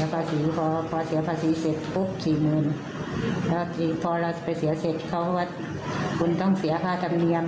พอเสียภาษีเสร็จปุ๊บขี่เงินพอเราไปเสียเสร็จเขาบอกว่าคุณต้องเสียค่าธรรมเนียม